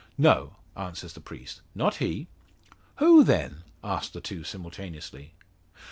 "No," answers the priest. "Not he." "Who then?" asked the two simultaneously.